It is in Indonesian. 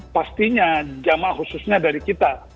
pastinya jemaah khususnya dari kita